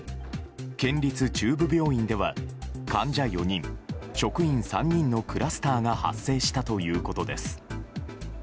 県立中部病院では患者４人、職員３人のクラスターが発生したということです。